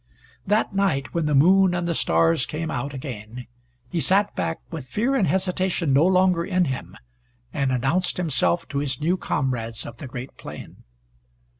That night, when the moon and the stars came out again, he sat back with fear and hesitation no longer in him, and announced himself to his new comrades of the great plain.